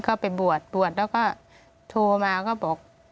ก็ไปบวชบวชแล้วก็โทรมาก็บอก